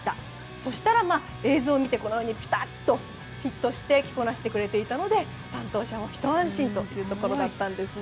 そしたら、映像を見たらピタッとフィットして着こなしてくれていたので担当者も一安心というところだったんですね。